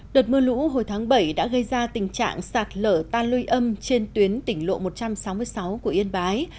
đợt mưa lũ hồi tháng bảy đã gây ra tình trạng sạt lở tan luy âm trên tuyến tỉnh lộ một trăm sáu mươi sáu của yên bái